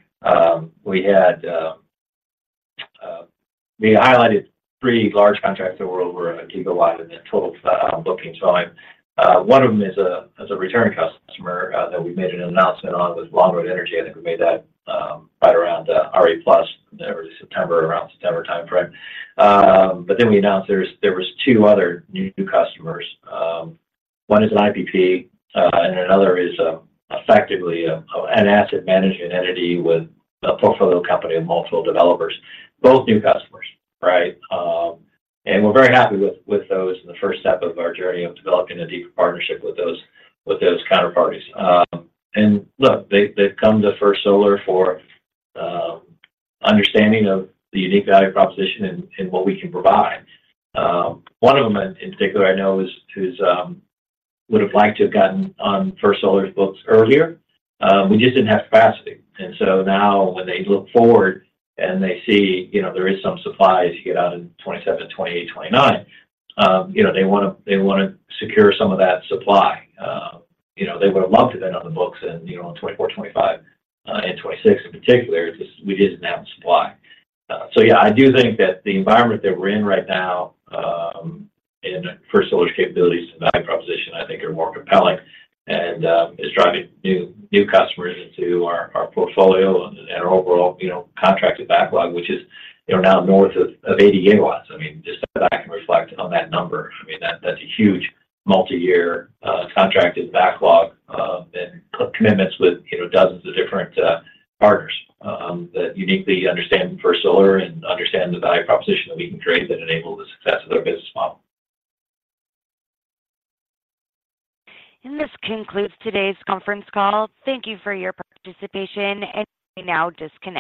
we had, we highlighted three large contracts that were over a gigawatt in the total booking. So I, one of them is a, is a return customer, that we made an announcement on, was Longroad Energy. I think we made that, right around RE+, September, around September timeframe. But then we announced there was, there was two other new customers. One is an IPP, and another is, effectively, an asset management entity with a portfolio company of multiple developers, both new customers, right? And we're very happy with, with those in the first step of our journey of developing a deeper partnership with those, with those counterparties. Look, they've come to First Solar for understanding of the unique value proposition and what we can provide. One of them, in particular, I know, would have liked to have gotten on First Solar's books earlier. We just didn't have capacity. And so now, when they look forward and they see, you know, there is some supply as you get out in 2027, 2028, 2029, you know, they wanna secure some of that supply. You know, they would have loved to been on the books in, you know, in 2024, 2025, and 2026 in particular, just we didn't have the supply. Yeah, I do think that the environment that we're in right now, and First Solar's capabilities to value proposition, I think, are more compelling and, is driving new customers into our portfolio and our overall, you know, contracted backlog, which is, you know, now north of 80 gigawatts. I mean, just I can reflect on that number. I mean, that's a huge multiyear contracted backlog, and commitments with, you know, dozens of different partners, that uniquely understand First Solar and understand the value proposition that we can create that enable the success of their business model. This concludes today's conference call. Thank you for your participation, and you may now disconnect.